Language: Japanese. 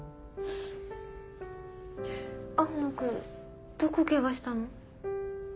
青野君どこケガしたの？